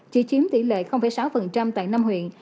chỉ chiếm tỷ lệ sáu tại năm huyện